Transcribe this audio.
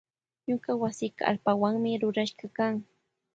Ñuka wasika allpawanmi rurashkakan.